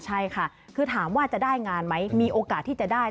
ใช่ค่ะคือถามว่าจะได้งานไหมมีโอกาสที่จะได้